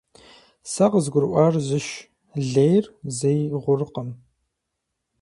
Сэ къызгурыӀуар зыщ: лейр зэи гъуркъым.